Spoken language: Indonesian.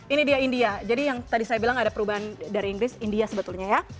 ini dia india jadi yang tadi saya bilang ada perubahan dari inggris india sebetulnya ya